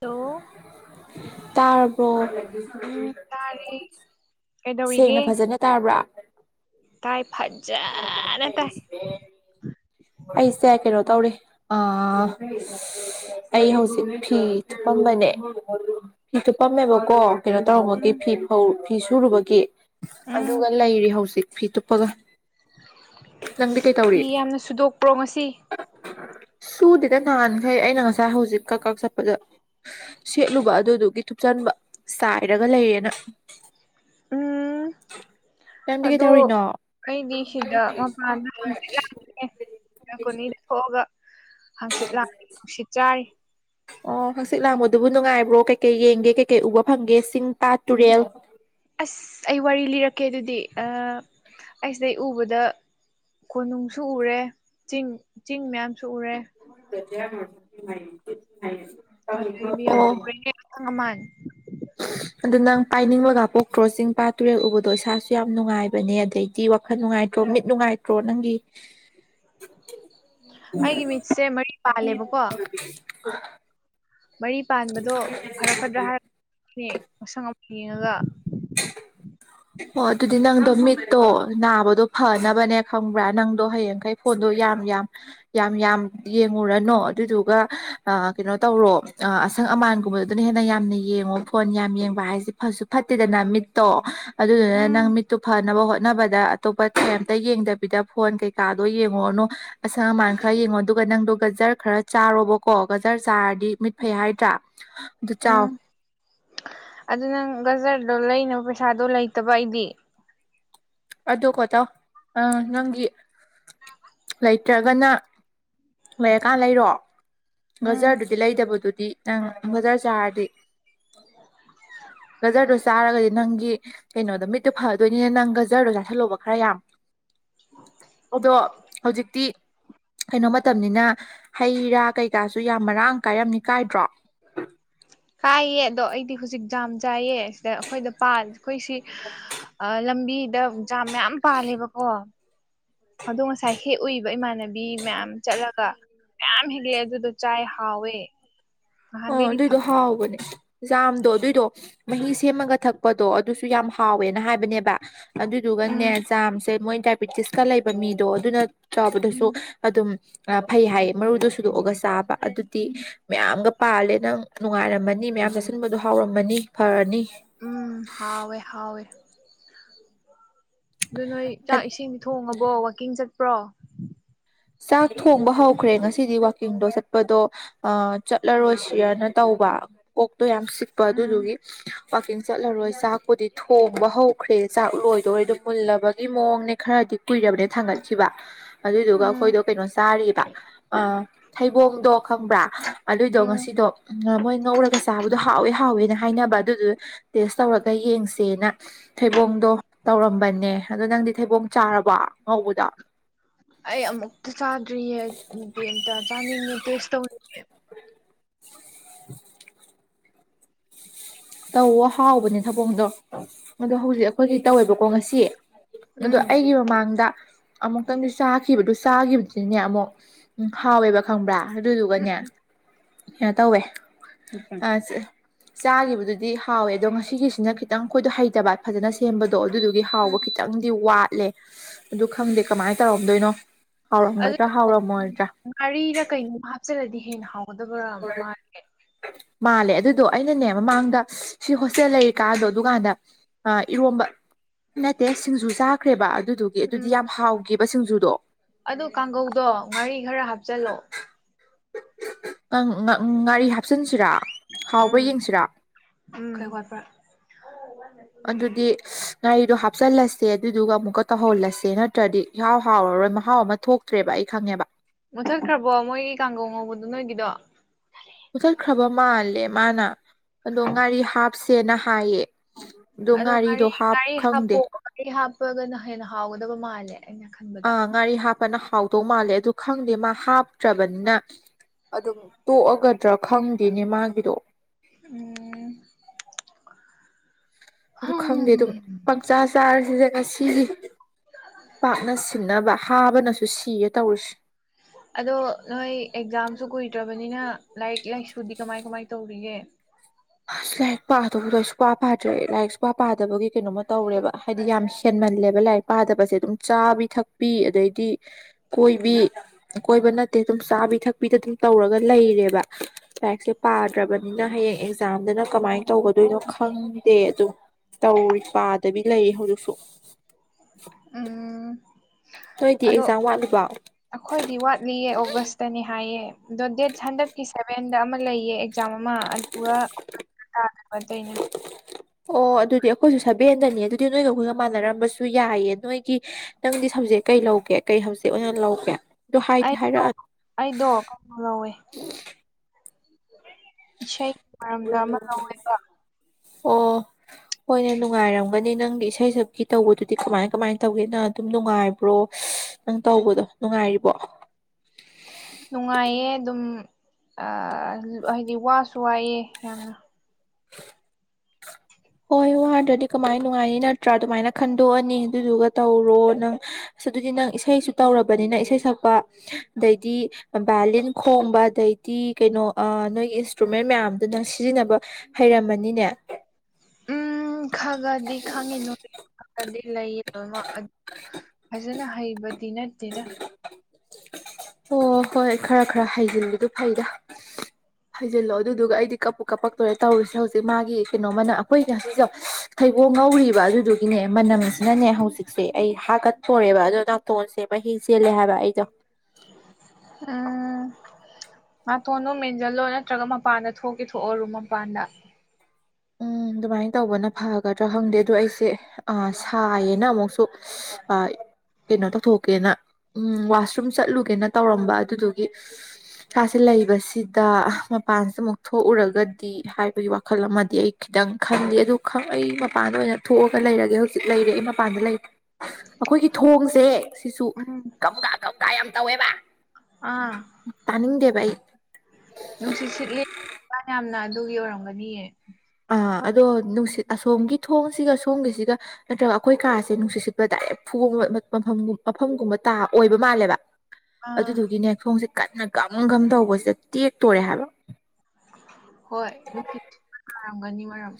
Hello ꯇꯔꯕ ꯎꯝ ꯇꯥꯔꯦ ꯁꯦꯡꯅ ꯀꯩꯗꯧꯔꯤꯒꯦ ꯐꯖꯅ ꯇꯥꯔꯕ꯭ꯔꯥ ꯇꯥꯏ ꯐꯥꯠ ꯑꯩꯁꯦ ꯀꯩꯅꯣ ꯇꯧꯔꯤ ꯑ ꯑꯩ ꯍꯧꯖꯤꯛ ꯐꯤ ꯊꯨꯞꯄꯝꯕꯅꯦ ꯍꯁꯨ ꯄꯝꯃꯦꯕꯣ ꯀꯣ ꯀꯩꯅꯣ ꯇꯧꯔꯨꯕꯒꯤ ꯎꯝ ꯐꯤ ꯐꯤ ꯁꯨꯔꯨꯕꯒꯤ ꯎꯝ ꯑꯗꯨꯒ ꯂꯩꯔꯤ ꯍꯧꯖꯤꯛ ꯐꯤ ꯇꯨꯞꯄꯒ ꯅꯪꯗꯤ ꯐꯤ ꯀꯩꯇꯧꯔꯤ ꯌꯥꯝꯅ ꯁꯨꯗꯣꯛꯄ꯭ꯔꯣ ꯉꯁꯤ ꯁꯨꯗꯤꯗ ꯅꯅꯥꯍꯥꯟꯈꯩ ꯑꯩꯅ ꯉꯁꯥꯏ ꯍꯧꯖꯤꯛ ꯀꯛ ꯀꯛ ꯆꯠꯄꯗ ꯁꯦꯠꯂꯨꯕ ꯑꯗꯨꯗꯨꯒꯤ ꯊꯨꯞꯆꯟꯕ ꯆꯥꯏꯔꯒ ꯂꯩꯌꯦꯅ ꯎꯝ ꯅꯪꯗꯤ ꯀꯩ ꯑꯗꯣ ꯇꯧꯔꯤꯅꯣ ꯑꯩꯗꯤ ꯁꯤꯗ ꯃꯄꯥꯟꯅ ꯍꯥꯡꯁꯤꯂꯉꯉꯦ ꯀꯣꯅꯤꯗ ꯊꯣꯛꯑꯒ ꯍꯥꯡꯆꯤꯠ ꯂꯥꯡ ꯅꯨꯡꯁꯤꯠ ꯆꯥꯔꯤ ꯑꯣ ꯍꯪꯆꯤꯠ ꯂꯥꯡꯕꯗꯨꯕꯨ ꯅꯨꯡꯉꯥꯏꯕ꯭ꯔꯣ ꯀꯩꯀꯩ ꯌꯦꯡꯒꯦ ꯀꯩꯀꯩ ꯎꯕ ꯐꯪꯒꯦ ꯁꯤꯡ ꯑꯁ ꯑꯩ ꯋꯥꯔꯤ ꯂꯤꯔꯛ ꯑꯣꯀꯦ ꯑꯗꯨꯗꯤ ꯑꯩꯁꯤꯗꯩ ꯎꯕꯗ ꯀꯣꯅꯨꯡꯁꯨ ꯎꯔꯦ ꯆꯤꯡ ꯆꯤꯡ ꯃꯌꯥꯝꯁꯨ ꯎꯔꯦ ꯀꯖ ꯃ ꯑꯗꯨꯗꯗꯤ ꯌꯥꯝ ꯄꯨꯟ ꯗ ꯑꯗ ꯅꯪ ꯄꯥꯏꯅꯤꯡꯕꯒ ꯄꯣꯛꯇ꯭ꯔꯣ ꯆꯤꯡ ꯄꯥꯠ ꯇꯨꯔꯦꯜ ꯎꯕꯗꯣ ꯏꯁꯥꯁꯨ ꯌꯥꯝꯅ ꯅꯨꯡꯉꯥꯏꯕꯅꯦ ꯑꯗꯩꯗꯤ ꯋꯥꯈꯜ ꯅꯨꯡꯉꯥꯏ ꯃꯤꯠ ꯅꯨꯡꯉꯥꯏꯇ꯭ꯔꯣ ꯅꯪꯒꯤ ꯑꯩꯒꯤ ꯃꯤꯠꯁꯦ ꯃꯔꯤ ꯄꯥꯜꯂꯦꯕꯀꯣ ꯑ ꯃꯔꯤ ꯄꯥꯟꯕꯗꯣ ꯐꯔꯛꯀꯗ꯭ꯔꯥ ꯍꯥꯏꯕꯥꯅꯦ ꯑꯁꯪ ꯑꯃꯟ ꯌꯦꯡꯉꯒ ꯑꯣ ꯑꯗꯨꯗꯤ ꯅꯪꯗꯣ ꯃꯤꯠꯇꯣ ꯅꯥꯕꯗꯣ ꯐꯅꯕꯅꯦ ꯈꯪꯕ꯭ꯔꯥ ꯅꯪꯗꯣ ꯍꯌꯦꯡꯈꯩ ꯐꯣꯟꯗꯣ ꯌꯥꯝ ꯌꯥꯝ ꯌꯥꯝ ꯌꯥꯝ ꯌꯦꯡꯉꯨꯔꯅꯣ ꯑꯗꯨꯗꯨꯒ ꯀꯩꯅꯣ ꯇꯧꯔꯣ ꯑꯁꯪ ꯑꯃꯥꯟꯒꯨꯝꯕꯗꯨꯅ ꯍꯦꯟꯅ ꯌꯥꯝꯅ ꯌꯦꯡꯉꯣ ꯐꯣꯟ ꯌꯥꯝ ꯌꯦꯡꯕ ꯍꯥꯏꯁꯦ ꯐꯁꯨ ꯐꯠꯇꯦꯗꯅ ꯃꯤꯠꯇꯣ ꯑꯗꯨꯗꯨꯅ ꯅꯪ ꯎꯝ ꯃꯤꯠꯇꯨ ꯐꯅꯕ ꯍꯣꯠ ꯍꯣꯠꯅꯕꯗ ꯑꯇꯣꯞꯄ ꯀꯔꯤꯝꯇ ꯌꯦꯡꯗꯕꯤꯗ ꯐꯣꯟ ꯀꯩꯀꯥꯗꯣ ꯌꯦꯡꯉꯨꯔꯅꯨ ꯑꯁꯪ ꯑꯃꯥꯟ ꯈꯔ ꯌꯦꯡꯉꯣ ꯑꯗꯨꯒ ꯅꯪꯗꯣ ꯒꯖꯔ ꯈꯔ ꯆꯥꯔꯣꯕꯀꯣ ꯒꯖꯔ ꯆꯥꯔꯗꯤ ꯃꯤꯠ ꯐꯩ ꯍꯥꯏꯗ꯭ꯔꯥ ꯑꯗꯨ ꯆꯥꯎ ꯎꯝ ꯑꯗꯨ ꯅꯪ ꯒꯥꯖꯔ ꯂꯩꯅꯕ ꯄꯩꯁꯥꯗꯣ ꯂꯩꯇꯕ ꯑꯩꯗꯤ ꯑꯗꯨꯗꯣ ꯀꯣꯠꯇ ꯑ ꯅꯪꯒꯤ ꯂꯩꯇ꯭ꯔꯒꯅ ꯂꯩꯔꯀꯥꯟ ꯂꯩꯔꯣ ꯎꯝ ꯕꯖꯥꯔꯗꯨꯗꯤ ꯂꯩꯗꯕꯗꯨꯗꯤ ꯅꯪ ꯒꯖꯔ ꯆꯥꯔꯗꯤ ꯒꯖꯔꯗꯣ ꯆꯥꯔꯒꯗꯤ ꯅꯪꯒꯤ ꯀꯩꯅꯣꯗ ꯃꯤꯠꯇꯣ ꯐꯗꯣꯏꯅꯤꯅꯦ ꯅꯪ ꯒꯖꯔꯗꯣ ꯆꯥꯁꯤꯜꯂꯣꯕ ꯈꯔ ꯌꯥꯝ ꯑꯗꯣ ꯍꯧꯖꯤꯛꯇꯤ ꯀꯩꯅꯣ ꯃꯇꯝꯅꯤꯅ ꯍꯩ ꯔꯥ ꯀꯩꯀꯥꯁꯨ ꯌꯥꯝ ꯃꯔꯥꯡ ꯀꯥꯏꯔꯝꯅꯤ ꯀꯥꯏꯗ꯭ꯔꯣ ꯀꯥꯏꯌꯦ ꯑꯗꯣ ꯑꯩꯗꯤ ꯍꯧꯖꯤꯛ ꯖꯥꯝ ꯆꯥꯏꯌꯦ ꯁꯤꯗ ꯑꯩꯈꯣꯏꯗ ꯑꯩꯈꯣꯏꯁꯤ ꯂꯝꯕꯤ ꯖꯥꯝ ꯃꯌꯥꯝ ꯄꯥꯜꯂꯦꯕꯀꯣ ꯑꯗꯣ ꯉꯁꯥꯏ ꯍꯦꯛ ꯎꯏꯕ ꯏꯃꯥꯟꯅꯕꯤ ꯃꯌꯥꯝ ꯆꯠꯂꯒ ꯀꯌꯥꯝ ꯍꯤꯂꯛꯑꯦ ꯑꯗꯨꯗꯣ ꯆꯥꯏ ꯍꯥꯎꯋꯦ ꯑꯣ ꯅꯍꯥꯟꯈꯩꯗꯤ ꯑꯗꯨꯏꯗꯣ ꯐꯛ ꯍꯥꯎꯕꯅꯦ ꯖꯥꯝꯗꯣ ꯑꯗꯨꯏꯗꯣ ꯃꯍꯤ ꯁꯦꯝꯃꯒ ꯊꯛꯄꯗꯣ ꯑꯗꯨꯁꯨ ꯌꯥꯝ ꯍꯥꯎꯋꯦꯅ ꯍꯥꯏꯕꯅꯦꯕ ꯑꯗꯨꯗꯨꯒꯅꯦ ꯎꯝ ꯖꯝ ꯃꯣꯏ ꯗꯥꯏꯄꯦꯇꯤꯁꯀ ꯂꯩꯕ ꯃꯤꯗꯣ ꯑꯗꯨꯅ ꯆꯥꯎꯕꯗꯁꯨ ꯎꯝ ꯑꯗꯨꯝ ꯐꯩ ꯍꯥꯏ ꯃꯔꯨꯗꯁꯨ ꯊꯨꯗꯣꯛꯑꯒ ꯆꯥꯕ ꯑꯗꯨꯗꯤ ꯃꯌꯥꯝꯒ ꯄꯥꯜꯂꯦ ꯅꯪ ꯅꯨꯡꯉꯥꯏꯔꯝꯃꯅꯤ ꯃꯌꯥꯝ ꯆꯠꯁꯤꯟꯕꯗꯨ ꯍꯥꯎꯔꯝꯃꯅꯤ ꯐꯔꯅꯤ ꯎꯝ ꯍꯥꯎꯏ ꯍꯥꯎꯏ ꯑꯗꯨ ꯅꯣꯏ ꯆꯥꯛ ꯏꯁꯤꯡꯗꯤ ꯊꯣꯡꯉꯕꯣ ꯋꯥꯛꯀꯤꯡ ꯆꯠꯄ꯭ꯔꯣ ꯆꯥꯛ ꯊꯣꯡꯕ ꯍꯧꯈ꯭ꯔꯦ ꯉꯁꯤꯗꯤ ꯋꯥꯀꯤꯡꯗꯣ ꯆꯠꯄꯗꯣ ꯆꯠꯂꯔꯣꯏꯁꯤꯔꯅ ꯇꯧꯕ ꯀꯥꯡ ꯌꯥꯝ ꯆꯤꯛꯄ ꯎꯝ ꯑꯗꯨꯗꯨꯒꯤ ꯋꯥꯛꯀꯤꯡ ꯆꯠꯂꯔꯣꯏ ꯆꯥꯛꯄꯨꯗꯤ ꯊꯣꯡꯕ ꯍꯧꯈ꯭ꯔꯦ ꯆꯥꯛ ꯂꯣꯏꯗꯣꯔꯦ ꯑꯗꯨ ꯃꯨꯜꯂꯕꯒꯤ ꯃꯑꯣꯡꯅꯦ ꯈꯔꯗꯤ ꯀꯨꯏꯔꯕꯅꯦ ꯊꯥꯡꯒꯠꯈꯤꯕ ꯑꯗꯨꯏꯗꯨꯒ ꯎꯝ ꯑꯩꯈꯣꯏꯗꯣ ꯀꯩꯅꯣ ꯆꯥꯔꯤꯕ ꯊꯩꯕꯣꯡꯗꯣ ꯈꯪꯕ꯭ꯔꯥ ꯑꯗꯨꯏꯗꯣ ꯎꯝ ꯉꯁꯤꯗꯣ ꯃꯣꯏ ꯉꯧꯔꯒ ꯆꯥꯕꯗꯣ ꯍꯥꯎꯋꯦ ꯍꯥꯎꯋꯦꯅ ꯍꯥꯏꯅꯕ ꯑꯗꯨꯗ ꯇꯦꯁ ꯇꯧꯔꯒ ꯌꯦꯡꯁꯦꯅ ꯊꯩꯕꯣꯡꯗꯣ ꯇꯧꯔꯝꯕꯅꯦ ꯑꯗꯣ ꯅꯪꯗꯤ ꯊꯩꯕꯣꯡ ꯆꯥꯔꯕ ꯉꯧꯕꯗ ꯆꯥꯗꯔꯤꯌꯦ ꯆꯥꯅꯤꯡꯅꯤ ꯇꯦꯁꯇ꯭ ꯇꯧꯅꯤꯡꯉꯦ꯫ ꯍꯤ ꯇꯧ ꯍꯥꯎꯕꯅꯦ ꯊꯩꯕꯣꯡꯗꯣ ꯑꯗꯣ ꯍꯧꯖꯤꯛ ꯑꯩꯈꯣꯏꯒꯤ ꯇꯧꯋꯦꯕꯀꯣ ꯉꯁꯤ ꯑꯗꯣ ꯎꯝ ꯑꯩꯒꯤ ꯃꯃꯥꯡꯗ ꯑꯃꯨꯛꯇꯪꯗꯤ ꯆꯥꯈꯤꯕꯗꯨ ꯆꯥꯈꯤꯕꯗꯨꯅꯦ ꯑꯃꯨꯛ ꯎꯝ ꯍꯥꯎꯋꯦꯕ ꯈꯪꯕ꯭ꯔꯥ ꯑꯗꯨꯗꯨꯒꯅꯦ ꯀꯩꯅꯣ ꯇꯧꯋꯦ ꯑ ꯆꯥꯈꯤꯕꯗꯨꯗꯤ ꯍꯥꯎꯋꯦ ꯑꯗꯣ ꯉꯁꯤꯒꯤꯁꯤꯅ ꯈꯤꯇꯪ ꯑꯩꯈꯣꯏꯗꯣ ꯍꯩꯇꯕ ꯐꯖꯅ ꯁꯦꯝꯕꯗꯣ ꯑꯗꯨꯗꯨꯒꯤ ꯎꯝ ꯍꯥꯎꯕ ꯈꯤꯇꯪꯗꯤ ꯋꯥꯠ ꯆꯠꯂꯦ ꯑꯗꯨ ꯈꯪꯗꯦ ꯀꯃꯥꯏꯅ ꯇꯧꯔꯝꯗꯣꯏꯅꯣ ꯑꯗꯨ ꯍꯥꯎꯔꯝꯒꯗ꯭ꯔꯥ ꯍꯥꯎꯔꯝꯃꯣꯏꯗ꯭ꯔꯥ ꯉꯥꯔꯤꯔ ꯀꯩꯅꯣꯝ ꯍꯥꯞꯆꯤꯜꯂꯗꯤ ꯍꯦꯟꯅ ꯍꯥꯎ ꯃꯗꯕꯔ ꯃꯥ ꯃꯥꯜꯂꯦ ꯑꯗꯨꯗꯣ ꯑꯩꯅꯅꯦ ꯃꯃꯥꯡꯗ ꯁꯤ ꯍꯣꯁꯇꯦꯜ ꯂꯩꯔꯤꯀꯥꯗꯣ ꯑꯗꯨꯀꯥꯟꯗ ꯏꯔꯣꯝꯕ ꯅꯠꯇꯦ ꯁꯤꯡꯖꯨ ꯆꯥꯈ꯭ꯔꯦꯕ ꯑꯗꯨꯗꯨꯒꯤ ꯑꯗꯨꯗꯤ ꯎꯝ ꯌꯥꯝ ꯍꯥꯎꯈꯤꯕꯕ ꯁꯤꯡꯖꯨꯗꯣ ꯑꯗꯨ ꯀꯥꯡꯒꯧꯗꯣ ꯉꯥꯔꯤ ꯈꯔ ꯍꯥꯞꯆꯤꯜꯂꯣ ꯎ ꯉꯒꯥꯔꯤ ꯍꯥ ꯍꯥꯞꯆꯤꯟꯁꯤꯔ ꯍꯥꯎꯕ ꯎꯝ ꯌꯦꯡꯁꯤꯔ ꯈꯔ ꯋꯥꯠꯄ꯭ꯔꯥ ꯑꯗꯨꯗꯤ ꯉꯥꯔꯤꯗꯣ ꯍꯥꯞꯆꯜꯂꯁꯦ ꯑꯗꯨꯗꯨꯒ ꯑꯃꯨꯛ ꯇꯧꯍꯜꯂꯁꯦ ꯅꯠꯇ꯭ꯔꯗꯤ ꯍꯍꯥꯎ ꯍꯥꯎꯔꯔꯣꯏ ꯃꯍꯥꯎ ꯑꯃ ꯊꯣꯛꯇ꯭ꯔꯦꯕ ꯑꯩ ꯈꯪꯉꯦꯕ ꯗ ꯃꯨꯊꯠꯈ꯭ꯔꯕ ꯃꯥꯜꯂꯦ ꯃꯥꯅ ꯑꯗꯣ ꯉꯥꯔꯤ ꯍꯥꯞꯁꯦꯅ ꯍꯥꯏꯌꯦ ꯑꯗꯣ ꯉꯥꯔꯤ ꯉꯥꯔꯤꯗꯣ ꯍꯥꯞ ꯉꯥꯔꯤ ꯍꯥꯞꯄꯣ ꯈꯪꯗꯦ ꯉꯥꯔꯤ ꯍꯥꯞꯄꯒꯅ ꯍꯦꯟꯅ ꯍꯥꯎꯒꯗꯕ ꯃꯥꯜꯂꯦ ꯑꯩꯅ ꯈꯟꯕꯗ ꯑꯥ ꯉꯥꯔꯤ ꯍꯥꯞꯄꯅ ꯍꯥꯎꯗꯧ ꯃꯥꯜꯂꯦ ꯑꯗꯨ ꯈꯪꯗꯦ ꯃꯥ ꯍꯥꯞꯇ꯭ꯔꯕꯅꯤꯅ ꯑꯗꯨꯝ ꯇꯣꯛꯑꯒꯗ꯭ꯔꯥ ꯈꯪꯗꯦꯅꯦ ꯃꯥꯒꯤꯗꯣ ꯎꯝ ꯑꯗꯨ ꯍꯝ ꯈꯪꯗꯦ ꯑꯗꯨꯝ ꯄꯪꯆꯥ ꯆꯥꯔꯁꯤꯁ ꯉꯁꯤꯗꯤ ꯄꯥꯛꯅ ꯁꯤꯟꯅꯅꯕ ꯍꯥꯕꯅꯁꯨ ꯁꯤꯒ ꯇꯧꯔꯁꯤ ꯑꯗꯣ ꯅꯣꯏ ꯑꯦꯛꯖꯥꯝꯁꯨ ꯀꯨꯏꯗ꯭ꯔꯕꯅꯤꯅ ꯂꯥꯏꯔꯤꯛ ꯂꯥꯏꯁꯨꯨꯗꯤ ꯀꯃꯥꯏ ꯀꯃꯥꯏ ꯇꯧꯔꯤꯌꯦ ꯑꯁ ꯂꯥꯏꯔꯤꯛ ꯄꯥꯗꯕꯗꯣ ꯁꯀ꯭ꯋꯥ ꯄꯥꯗ꯭ꯔꯦ ꯂꯥꯏꯔꯤꯛ ꯁꯀ꯭ꯋꯥ ꯄꯥꯗꯕꯒꯤ ꯀꯩꯅꯣꯃ ꯇꯧꯔꯦꯕ ꯍꯥꯏꯗꯤ ꯌꯥꯝ ꯍꯦꯟꯅ ꯜꯂꯦꯕ ꯂꯥꯏꯔꯤꯛ ꯄꯥꯗꯕꯁꯦ ꯑꯗꯨꯝ ꯆꯥꯕꯤ ꯊꯛꯄꯤ ꯑꯗꯩꯗꯤ ꯀꯣꯏꯕꯤ ꯀꯣꯏꯕꯅ ꯅꯠꯇꯦ ꯑꯗꯨꯝ ꯆꯥꯕꯤ ꯊꯛꯄꯤꯗ ꯑꯗꯨꯝ ꯇꯧꯔꯒ ꯂꯩꯔꯦꯕ ꯂꯥꯏꯔꯤꯛꯁꯦ ꯄꯥꯗ꯭ꯔꯕꯅꯤꯅ ꯍꯌꯦꯡ ꯑꯦꯛꯖꯥꯝꯗꯅ ꯀꯃꯥꯏꯅ ꯇꯧꯒꯗꯣꯏꯅꯣ ꯈꯪꯗꯦ ꯑꯗꯣ ꯇꯧꯔꯤ ꯄꯥꯗꯕꯤ ꯂꯩ ꯍꯧꯖꯤꯛꯁꯨ ꯑ ꯅꯣꯏꯗꯤ ꯑꯗꯣ ꯑꯦꯛꯖꯥꯝ ꯋꯥꯠꯂꯤꯕꯣ ꯑꯩꯈꯣꯏꯗꯤ ꯋꯥꯠꯂꯤꯌꯦ ꯑꯣꯒꯁꯇꯅꯤ ꯍꯥꯏꯌꯦ ꯑꯗꯣ ꯗꯦꯠ ꯍꯟꯗꯛꯀꯤ ꯁꯚꯦꯟꯗ ꯑꯃ ꯂꯩꯌꯦ ꯆꯥꯃ ꯑꯃ ꯑꯗꯨꯒ ꯇꯥꯗ ꯑꯩꯅ ꯑꯣ ꯑꯗꯨꯗꯤ ꯑꯩꯈꯣꯏꯁꯨ ꯁꯚꯦꯟꯗꯅꯤ ꯑꯗꯨꯗꯤ ꯅꯣꯏꯒ ꯑꯩꯈꯣꯏꯒ ꯃꯥꯟꯅꯔꯝꯕꯁꯨ ꯌꯥꯏꯌꯦ ꯅꯣꯏꯒꯤ ꯅꯪꯗꯤ ꯁꯕꯖꯦꯛ ꯀꯩ ꯂꯧꯒꯦ ꯀꯩ ꯍꯧꯖꯤꯛ ꯑꯣꯏꯅ ꯂꯧꯒꯦ ꯗꯣ ꯍꯥꯏꯥꯏꯗꯤ ꯍꯥꯏꯔ ꯑꯩꯗꯣ ꯑꯩꯗꯣ ꯀꯩꯅꯣ ꯂꯧꯋꯦ ꯏꯁꯩꯒꯤ ꯃꯔꯝꯗ ꯑꯃ ꯂꯧꯋꯦꯕ ꯑꯣ ꯍꯣꯏꯅꯦ ꯅꯨꯡꯉꯥꯏꯔꯝꯒꯅꯤ ꯅꯪꯗꯤ ꯏꯁꯩ ꯁꯛꯀꯤ ꯇꯧꯕꯗꯨꯗꯤ ꯀꯃꯥꯏ ꯀꯃꯥꯏꯅ ꯇꯧꯒꯦꯅꯪ ꯑꯗꯨꯝ ꯅꯨꯡꯉꯥꯏꯕ꯭ꯔꯣ ꯅꯪ ꯇꯧꯕꯗꯣ ꯅꯨꯡꯉꯥꯏꯔꯤꯕꯣ ꯑ ꯍꯥꯏꯗꯤ ꯋꯥꯁꯨ ꯋꯥꯏꯑꯦ ꯌꯥꯝꯅ [unintelligible] ꯍꯣꯏ ꯋꯥꯗ꯭ꯔꯗꯤ ꯀꯃꯥꯏ ꯅꯨꯡꯉꯥꯏꯅꯤ ꯅꯠꯇ꯭ꯔꯥ ꯑꯗꯨꯃꯥꯏꯅ ꯈꯟꯗꯣꯛꯑꯅꯤ ꯑꯗꯨꯗꯨꯒ ꯇꯧꯔꯣ ꯅꯪ ꯑꯁ ꯑꯗꯨꯗꯤ ꯅꯪ ꯏꯁꯩꯁꯨ ꯇꯧꯔꯕꯅꯤꯅ ꯏꯁꯩ ꯁꯛꯄ ꯑꯗꯩꯗꯤ ꯚꯥꯏꯂꯤꯟ ꯈꯣꯡꯕ ꯑꯗꯩ ꯇꯤ ꯀꯩꯅꯣ ꯅꯣꯏꯒꯤ ꯏꯟꯁꯇ꯭ꯔꯨꯃꯦꯟ ꯃꯌꯥꯝꯗꯨꯣ ꯅꯪ ꯁꯤꯖꯤꯟꯅꯕ ꯍꯩꯔꯝꯃꯅꯤꯅꯦ ꯎꯝ ꯈꯗꯤꯛ ꯍꯪꯉꯦ ꯅꯣꯔꯤ ꯗꯤ ꯂꯩꯌꯦꯕ ꯑꯃ ꯐꯖꯅ ꯍꯩꯕꯗꯤ ꯅꯠꯇꯦꯗ ꯑꯣ ꯍꯣꯏ ꯈꯔ ꯈꯔ ꯍꯩꯖꯤꯟꯕꯗꯨ ꯐꯩꯗ ꯍꯩꯖꯤꯜꯂꯣ ꯑꯗꯨꯗꯨꯒ ꯑꯩꯗꯤ ꯀꯞꯄꯨ ꯀꯞꯄꯛꯇꯣꯔꯦ ꯇꯧꯔꯤꯁꯦ ꯍꯧꯖꯤꯛ ꯃꯥꯒꯤ ꯀꯩꯅꯣꯃꯅ ꯑꯩꯈꯣꯏꯒꯤ ꯍꯧꯖꯤꯛꯁꯨ ꯊꯩꯕꯣꯡ ꯉꯧꯔꯤꯕ ꯑꯗꯨꯗꯨ ꯒꯤꯅꯦ ꯃꯅꯝꯁꯤꯅꯅꯦ ꯍꯧꯖꯤꯛꯁꯦ ꯑꯩ ꯍꯥꯀꯠꯊꯣꯔꯦꯕ ꯑꯗꯣ ꯅꯥꯇꯣꯟꯁꯦ ꯃꯍꯤ ꯆꯦꯜꯂꯦ ꯍꯥꯏꯕ ꯑꯩꯗꯣ ꯎꯝ ꯎꯝ ꯇꯣꯟꯗꯨ ꯃꯦꯟꯁꯤꯜꯂꯣ ꯅꯠꯇ꯭ꯔꯒ ꯃꯄꯥꯟꯗ ꯊꯣꯛꯀꯦ ꯊꯣꯛꯑꯔꯨ ꯃꯄꯥꯟꯗ [unintelligible] ꯎꯝ ꯑꯗꯨꯃꯥꯏꯅ ꯇꯧꯕꯅ ꯐꯒꯗ꯭ꯔꯥ ꯈꯪꯗꯦ ꯑꯗꯣ ꯑꯩꯁꯦ ꯁꯥꯏꯌꯦꯅ ꯑꯃꯨꯛꯁꯨ ꯀꯩꯅꯣ ꯇꯧꯊꯣꯛꯀꯦꯅ ꯎꯝ ꯋꯥꯁꯔꯨꯝ ꯆꯠꯂꯨꯒꯦꯅ ꯇꯧꯔꯝꯕ ꯑꯗꯨꯗꯨꯒꯤ ꯏꯁꯥꯁꯦ ꯂꯩꯕꯁꯤꯗ ꯃꯄꯥꯟꯁꯤꯗ ꯑꯃꯨꯛ ꯊꯣꯛꯎꯔꯒꯗꯤ ꯍꯥꯏꯕꯒꯤ ꯋꯥꯈꯜ ꯑꯃ ꯗꯤ ꯑꯩ ꯈꯤꯇꯪ ꯈꯪꯗꯦ ꯑꯗꯨ ꯈꯪ ꯑꯩ ꯃꯄꯥꯟꯗ ꯑꯣꯏꯅ ꯊꯣꯛꯑꯒ ꯂꯩꯔꯒꯦ ꯍꯧꯖꯤꯛ ꯂꯩꯔꯦ ꯑꯩ ꯃꯄꯥꯟꯗ ꯂꯩꯔꯦ ꯑꯩꯈꯣꯏꯒꯤ ꯊꯣꯡꯁꯦ ꯁꯤꯁꯨ ꯎꯝ ꯀꯒꯥ ꯝꯒ ꯌꯥꯝ ꯇꯧꯋꯦꯕ ꯑꯥ ꯏꯠ ꯅꯨꯡꯁꯤꯠ ꯁꯤꯠꯂꯤ ꯌꯥꯝꯅ ꯑꯗꯨꯒꯤ ꯑꯣꯏꯔꯝꯒꯅꯤꯌꯦ ꯑ ꯑꯗꯣ ꯅꯨꯡꯁꯤꯠ ꯑꯁꯣꯝꯒꯤ ꯊꯣꯡꯁꯤꯒ ꯑ ꯁꯣꯝꯒꯤꯁꯤꯒ ꯅꯠꯇ꯭ꯔꯒ ꯑꯩꯈꯣꯏ ꯀꯥꯁꯦ ꯅꯨꯡꯁꯤꯠ ꯁꯤꯠꯄ ꯗꯥꯏꯔꯦꯛ ꯕ ꯃꯐꯝ ꯃꯐꯝꯒꯨꯝꯕ ꯇꯥ ꯑꯣꯏꯕ ꯃꯥꯜꯂꯦꯕ ꯑꯥ ꯑꯗꯨꯗꯨꯒꯤꯅꯦ ꯊꯣꯡꯁꯦ ꯀꯟꯅ ꯒꯝ ꯝ ꯇꯧꯕꯁꯤꯗ ꯇꯦꯛꯇꯣꯔꯦ ꯍꯥꯏꯕ ꯍꯣꯏ ꯅꯨꯡꯁꯤꯥꯔꯝꯒꯅꯤ ꯃꯔꯝ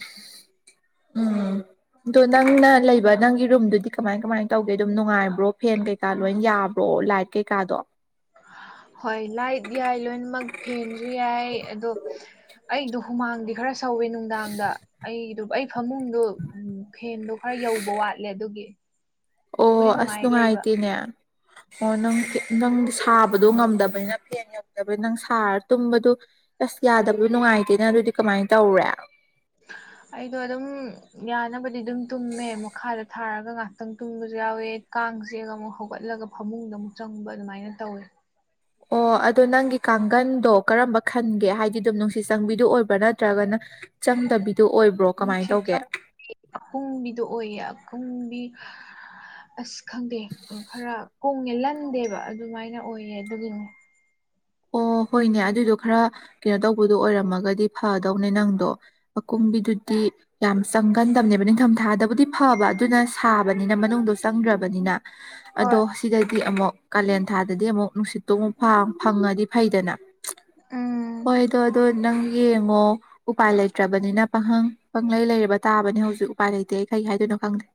ꯑ ꯑꯗꯣ ꯅꯪꯅ ꯂꯩꯕ ꯅꯪꯒꯤ ꯔꯨꯝꯗꯨꯗꯤ ꯀꯃꯥꯏ ꯀꯃꯥꯏꯅ ꯇꯧꯒꯦ ꯑꯗꯨꯝ ꯅꯨꯡꯉꯥꯏꯕ꯭ꯔꯣ ꯐꯦꯟ ꯀꯩꯀꯥ ꯂꯣꯏꯅ ꯌꯥꯕ꯭ꯔꯣ ꯂꯥꯏꯛ ꯀꯦ ꯀꯥꯗꯣ ꯍꯣꯏ ꯂꯥꯏꯠ ꯌꯥꯏ ꯂꯣꯏꯅꯃꯛ ꯐꯦꯟꯁꯨ ꯌꯥꯏ ꯑꯗꯣ ꯑꯩꯗ ꯍꯨꯃꯥꯡꯗꯤ ꯈꯔ ꯁꯧꯋꯦ ꯅꯨꯡꯗꯥꯡꯗ ꯑꯩꯗꯨ ꯑꯩ ꯐꯃꯨꯡꯗꯨꯣ ꯎꯝ ꯐꯦꯟꯗꯣ ꯈꯔ ꯌꯧꯕ ꯋꯥꯠꯂꯦ ꯑꯗꯨꯒꯤ ꯑꯣ ꯅꯨꯡꯕꯨꯗꯤ ꯑꯁ ꯅꯨꯡꯉꯥꯏ ꯂꯩꯕ ꯅꯨꯡꯉꯥꯏꯇꯦꯅꯦ ꯑꯣ ꯅꯪ ꯅꯪ ꯁꯥꯕꯗꯣ ꯉꯝꯗꯕꯅꯤꯅ ꯐꯦꯟ ꯉꯧꯗꯕꯅꯤꯅ ꯅꯪ ꯁꯥꯔ ꯇꯨꯝꯕꯗꯨ ꯑꯁ ꯌꯥꯗꯕꯗꯨ ꯅꯨꯡꯉꯥꯏꯇꯦꯅ ꯑꯗꯨꯗꯤ ꯀꯃꯥꯏꯅ ꯇꯧꯔꯦ ꯑꯩꯗ ꯑꯗꯨ ꯑꯗꯨꯝ ꯌꯥꯅꯕꯗꯤ ꯑꯗꯨꯝ ꯇꯨꯝꯃꯦ ꯃꯈꯥꯗ ꯊꯥꯔꯒ ꯉꯍꯥꯛꯇꯪ ꯇꯨꯝꯕꯁꯨ ꯌꯥꯎꯋꯦ ꯀꯥꯡꯁꯦ ꯑꯃꯨꯛ ꯍꯧꯒꯠꯂ ꯆꯂꯒ ꯐꯃꯨꯡꯗ ꯑꯃꯨꯛ ꯆꯪꯕ ꯑꯗꯨꯃꯥꯏꯅ ꯇꯧꯋꯦ ꯑꯣ ꯑꯗꯨꯗꯣ ꯅꯪꯒꯤ ꯀꯥꯡꯒꯟꯗꯣ ꯀꯔꯝꯕ ꯈꯟꯒꯦ ꯍꯥꯏꯗꯤ ꯑꯗꯨꯝ ꯅꯨꯡꯁꯤꯠ ꯆꯪꯕꯤꯗꯨ ꯑꯣꯏꯕ꯭ꯔꯥ ꯅꯠꯇ꯭ꯔꯒꯅ ꯆꯪꯗꯕꯤꯗꯨ ꯑꯣꯏꯕ꯭ꯔꯣ ꯀꯃꯥꯏꯅ ꯅꯨꯡꯁꯤ ꯇꯧꯒꯦ ꯆꯪ ꯄꯨꯡ ꯃꯤꯗꯣ ꯑꯣꯏꯌꯦ ꯀꯨꯝꯕꯤ ꯑꯁ ꯈꯪꯗꯦ ꯈꯔ ꯀꯣꯡꯉꯦ ꯂꯟꯗꯦꯕ ꯑꯗꯨꯃꯥꯏꯅ ꯑꯣꯏꯌꯦ ꯑꯗꯨꯒꯤꯅꯦ [inaudible] ꯑꯣ ꯍꯣꯏꯅꯦ ꯑꯗꯨꯗꯣ ꯈꯔ ꯀꯩꯅꯣ ꯇꯧꯕꯗꯣ ꯑꯣꯏꯔꯝꯃꯒꯗꯤ ꯐꯗꯧꯅꯦ ꯅꯪꯗꯣ ꯑꯀꯨꯝꯕꯤꯗꯨꯗꯤ ꯌꯥꯝ ꯆꯪꯒꯟꯗꯕꯅꯦꯕ ꯅꯤꯡꯊꯝꯊꯥꯗꯕꯨꯗꯤ ꯐꯕ ꯑꯗꯨꯅ ꯁꯥꯕꯅꯤꯅ ꯃꯅꯨꯡꯗ ꯆꯪꯗ꯭ꯔꯕꯅꯤꯅ ꯑꯗꯣ ꯍꯣꯏ ꯁꯤꯗꯗꯤ ꯑꯃꯨꯛ ꯀꯥꯂꯦꯟ ꯊꯥꯗꯗꯤ ꯑꯃꯨꯛ ꯅꯨꯡꯁꯤꯠꯇꯣꯡ ꯑꯃ ꯐꯥ ꯐꯪꯉꯗꯤ ꯐꯩꯗꯅ ꯎꯝ ꯍꯣꯏꯗꯣ ꯑꯗꯣ ꯅꯪ ꯌꯦꯡꯉꯣ ꯎꯄꯥꯏ ꯂꯩꯇ꯭ꯔꯕꯅꯤꯅ ꯄꯥꯍꯪ ꯄꯪꯂꯩ ꯂꯩꯔꯕ ꯇꯥꯕꯅꯤ ꯍꯧꯖꯤꯛ ꯎꯄꯥꯏ ꯂꯩꯇꯦ ꯑꯩ ꯀꯔꯤ ꯍꯥꯏꯗꯣꯏꯅꯣ ꯈꯪꯗꯦ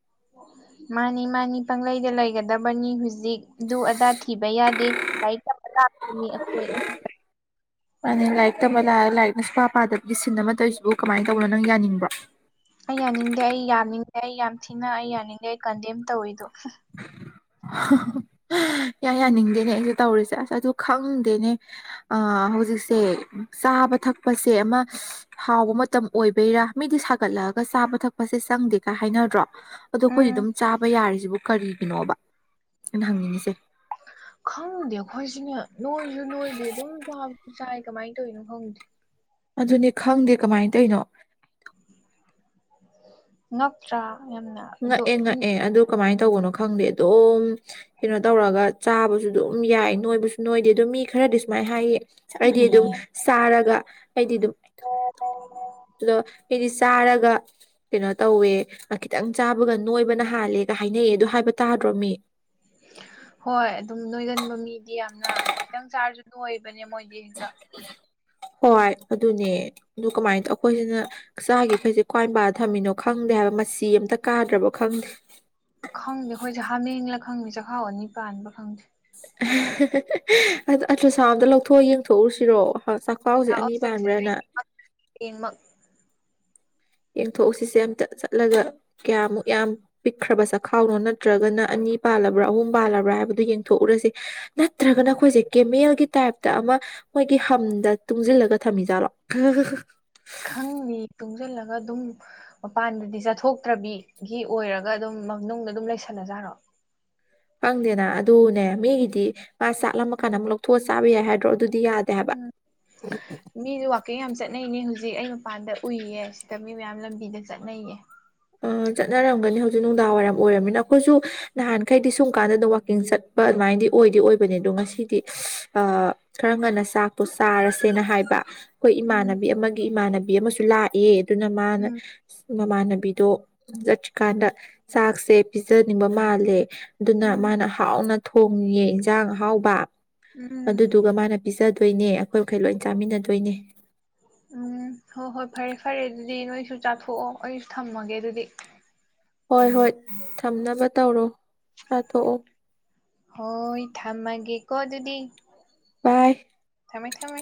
ꯃꯥꯅꯤ ꯃꯥꯅꯤ ꯄꯩꯗ ꯂꯩꯒꯗꯕꯅꯤ ꯍꯧꯖꯤꯛ ꯍꯧꯖꯤꯛꯗꯨ ꯑꯗꯥ ꯊꯤꯕ ꯌꯥꯗꯦ ꯂꯥꯏꯔꯤꯛ ꯇꯝꯕ ꯂꯥꯛꯄꯅꯤ ꯑꯩꯈꯣꯏ ꯃꯥꯅꯤ ꯂꯥꯏꯔꯤꯛ ꯇꯝꯕ ꯂ ꯂꯥꯏꯔꯤꯛ ꯅꯁꯨꯄꯥ ꯄꯥꯗꯕꯒꯤ ꯁꯤꯟ ꯑꯃ ꯇꯧꯔꯤꯁꯤꯕꯨ ꯀꯃꯥꯏꯅ ꯇꯧꯕꯅꯣ ꯅꯪ ꯌꯥꯅꯤꯡꯕꯣ ꯑꯩ ꯌꯥꯅꯤꯡꯗꯦ ꯑꯩ ꯌꯥꯅꯤꯡꯗꯦ ꯑꯩ ꯌꯥꯝ ꯊꯤꯅ ꯑꯩ ꯌꯥꯅꯤꯡꯗꯦ ꯑꯩ ꯀꯟꯗꯦꯝ ꯇꯧꯋꯤꯗꯣ ꯌꯥ ꯌꯥꯅꯤꯡꯗꯦꯅꯦ ꯑꯩꯁꯦ ꯇꯧꯔꯤꯁꯦ ꯑꯁ ꯑꯗꯨ ꯈꯪꯗꯦꯅꯦ ꯑ ꯍꯧꯖꯤꯛꯁꯦ ꯆꯥꯕ ꯊꯛꯄꯁꯦ ꯑꯃ ꯍꯥꯎꯕ ꯃꯇꯝ ꯑꯣꯏꯕꯩꯔꯥ ꯃꯤꯗꯤ ꯁꯥꯒꯠꯂꯛꯑꯒ ꯆꯥꯕ ꯊꯛꯄꯁꯦ ꯆꯪꯗꯦꯒꯥꯏ ꯍꯥꯏꯅꯗ꯭ꯔꯣ ꯑꯗꯣ ꯑꯩꯈꯣꯏꯗꯤ ꯎꯝ ꯑꯗꯨꯝ ꯆꯥꯕ ꯌꯥꯔꯤꯁꯤꯕꯨ ꯀꯔꯤꯒꯤꯅꯣꯕ ꯑꯩꯅ ꯍꯪꯅꯤꯡꯉꯤꯁꯦ ꯈꯪꯗꯦ ꯑꯩꯈꯣꯏꯁꯤꯅꯦ ꯅꯣꯏꯁꯨ ꯅꯣꯏꯗꯦ ꯑꯗꯨꯝꯕꯁꯨ ꯆꯥꯏ ꯀꯃꯥꯏꯅ ꯇꯧꯔꯤꯅꯣ ꯍꯣꯡꯒꯦ ꯑꯗꯨꯅꯦ ꯈꯪꯗꯦ ꯀꯃꯥꯏꯅ ꯇꯔꯤꯅꯣ ꯅ꯭ꯔꯥ ꯉꯛꯑꯦ ꯉꯛꯑꯦ ꯑꯗꯨ ꯀꯃꯥꯏꯅ ꯇꯧ ꯇꯧꯒꯅꯣ ꯈꯪꯗꯦ ꯑꯗꯨꯝ ꯀꯩꯅꯣ ꯇꯧꯔꯒ ꯆꯥꯕꯁꯨ ꯑꯗꯨꯝ ꯌꯥꯏ ꯅꯣꯏꯕꯁꯨ ꯅꯣꯏꯗꯦ ꯑꯗꯨꯣ ꯃꯤ ꯈꯔ ꯈꯔꯗꯤ ꯁꯨꯃꯥꯏꯅ ꯍꯥꯏꯌꯦ ꯑꯩꯗꯤ ꯑꯗꯨꯝ ꯆꯥꯔꯒ ꯑꯩꯗꯤ ꯑꯗꯨꯝ ꯑꯗꯣ ꯑꯩꯗꯤ ꯆꯥꯔꯒ ꯀꯩꯅꯣ ꯇꯧꯋꯦ ꯈꯤꯇꯪ ꯆꯥꯕꯒ ꯅꯣꯏꯕꯅ ꯍꯥꯜꯂꯦꯒ ꯍꯥꯏꯅꯩ ꯑꯗꯨ ꯍꯥꯏꯕ ꯇꯥꯗ꯭ꯔꯣꯃꯤ ꯍꯣꯏ ꯑꯗꯨꯝ ꯅꯣꯏꯒꯟꯕ ꯃꯤꯗꯤ ꯌꯥꯝꯅ ꯈꯤꯇꯪ ꯆꯥꯔꯁꯨ ꯅꯣꯏꯕ ꯅꯣꯏ ꯃꯣꯏꯗꯤꯦꯔꯤꯗ ꯍꯣꯏ ꯑꯗꯨꯅꯦ ꯑꯗꯨ ꯀꯃꯥꯏꯅ ꯇꯧ ꯑꯩꯈꯣꯏꯁꯤꯅ ꯆꯥꯒꯤꯈꯩꯁꯦ ꯀ꯭ꯋꯥꯏꯝꯕ ꯊꯝꯃꯤꯅꯣ ꯈꯪꯕ ꯈꯪꯗꯦ ꯍꯥꯏꯕ ꯃ ꯑꯃꯇ ꯀꯥꯗ꯭ꯔꯕꯣ ꯈꯪꯗꯦ ꯈꯪꯗꯦ ꯑꯩꯈꯣꯏꯁꯦ ꯍꯥꯃꯦꯡꯂ ꯈꯪꯗꯦ ꯆꯈꯥꯎ ꯑꯅꯤ ꯄꯥꯟꯕ ꯈꯪꯗꯦ ꯑꯆ ꯑꯁꯥ ꯑꯝꯇ ꯂꯧꯊꯣꯛꯑ ꯌꯦꯡꯊꯣꯛꯎꯨꯁꯤꯔꯣ ꯆꯥꯛꯈꯥꯎꯁꯦ ꯂꯥꯛꯑꯣ ꯑꯅꯤ ꯆꯠꯁꯦ ꯑꯩ ꯄꯥꯟꯕ꯭ꯔꯅ ꯍꯌꯦꯡꯃꯛ ꯌꯦꯡꯊꯣꯛꯎꯁꯤꯁꯦ ꯑꯝꯇ ꯆꯠꯂꯒ ꯀꯌꯥꯃꯨꯛ ꯌꯥꯝ ꯄꯤꯛꯈ꯭ꯔꯕ ꯆꯈꯥꯎꯅꯣ ꯅꯠꯇ꯭ꯔꯒꯅ ꯂ꯭ꯔ ꯑꯍꯨꯝꯂ꯭ꯔ ꯍꯥꯏꯕ ꯌꯦꯊꯣꯛꯎꯔ ꯅꯠꯇ꯭ꯔꯒꯅ ꯑꯩꯏ ꯇꯥꯏꯞꯇ ꯑꯃ ꯃꯣꯏꯒꯤ ꯍꯝꯗ ꯇꯨꯡꯁꯤꯜꯂꯒ ꯊꯝꯃꯤꯖꯥꯠꯂꯣ ꯈꯪꯅꯤ ꯇꯨꯡꯁꯤꯂ ꯑꯗꯨꯝ ꯃꯄꯥꯟꯗꯗꯤ ꯆꯠꯊꯣꯛꯇ꯭ꯔꯕꯤꯒꯤ ꯑꯣꯏꯔꯒ ꯑꯗꯨꯝ ꯃꯅꯨꯡꯗ ꯑꯗꯨꯝ ꯂꯩꯁꯜꯂꯖꯥꯔꯣ ꯐꯪꯗꯦꯅ ꯑꯗꯨꯅꯦ ꯃꯤꯒꯤꯗꯤ ꯃꯥ ꯆꯠꯂꯝꯃꯀꯥꯟꯗ ꯑꯃꯨꯛ ꯂꯧꯊꯣꯛꯑ ꯆꯥꯕ ꯌꯥꯏ ꯍꯥꯏꯗ꯭ꯔꯣ ꯑꯗꯨꯗꯤ ꯌꯥꯗꯦ ꯍꯥꯏꯕ ꯎꯝ ꯃꯤꯁꯨ ꯋꯥꯋꯥꯛꯀꯤꯡ ꯌꯥꯝ ꯆꯠꯅꯩꯅꯦ ꯍꯧꯖꯤꯛ ꯍꯧꯖꯤꯛ ꯑꯩ ꯃꯄꯥꯟꯗ ꯎꯏꯌꯦ ꯁꯤꯗ ꯃꯤ ꯃꯌꯥꯝ ꯂꯝꯕꯤꯗ ꯆꯠꯅꯩꯌꯦ ꯆꯠꯅꯔꯝꯒꯅꯤ ꯍꯧꯖꯤꯛ ꯅꯨꯡꯗꯥꯡ ꯋꯥꯏꯔꯝ ꯑꯣꯏꯔꯕꯝꯃꯤꯅ ꯑꯩꯈꯣꯏꯁꯨ ꯅꯍꯥꯟꯈꯩꯗꯤ ꯁꯨꯝ ꯀꯥꯟꯗ ꯋꯥꯋꯀꯤꯡ ꯆꯠꯄ ꯑꯗꯨꯃꯥꯏꯅꯗꯤ ꯑꯣꯏꯗꯤ ꯑꯣꯏꯕꯅꯤ ꯑꯗꯣ ꯉꯁꯤꯗꯤ ꯈꯔ ꯉꯟꯅ ꯆꯥꯛ ꯆꯥꯔꯁꯦꯅ ꯍꯥꯏꯕ ꯑꯩꯈꯣꯏ ꯎꯝ ꯏꯃꯥꯟꯅꯕꯤ ꯑꯃꯒꯤ ꯏꯃꯥꯟꯅꯕꯤ ꯑꯃꯁꯨ ꯂꯥꯛꯑꯦ ꯑꯗꯨꯅ ꯃꯥꯅ ꯎꯝ ꯃꯃꯥꯟꯅꯕꯤꯗꯣ ꯆꯠ꯭ꯔꯤꯀꯥꯟꯗ ꯆꯥꯛꯁꯦ ꯄꯤꯖꯅꯤꯡꯕ ꯃꯥꯜꯂꯦ ꯑꯗꯨꯅ ꯎꯝ ꯃꯥꯅ ꯍꯥꯎꯅ ꯊꯣꯡꯉꯑꯦ ꯏꯟꯁꯥꯡ ꯑ ꯍꯥꯎꯕ ꯎꯝ ꯑꯗꯨꯗꯨꯒ ꯃꯥꯅ ꯄꯤꯖ ꯆꯗꯣꯏꯅꯦ ꯑꯩꯈꯣꯏ ꯃꯈꯈꯩ ꯂꯣꯏ ꯆꯥꯃꯤꯟꯅꯗꯣꯏꯅꯦ ꯎꯝ ꯍꯣ ꯍꯣꯏ ꯐꯔꯦ ꯐꯔꯦ ꯑꯗꯨ ꯑꯗꯨꯗꯤ ꯅꯣꯏꯁꯨ ꯆꯥꯊꯣꯛꯑꯣ ꯑꯩꯁꯨ ꯊꯝꯃꯒꯦ ꯑꯗꯨꯗꯤ ꯍꯣꯏ ꯍꯣꯏ ꯊꯝꯅꯕ ꯇꯧꯔꯣ ꯆꯥꯊꯣꯛꯑꯣ ꯍꯣꯏ ꯊꯝꯃꯒꯦ ꯀꯣ ꯑꯗꯨꯤꯗꯤ ꯕꯥꯏ ꯊꯃꯦ ꯊꯃꯦ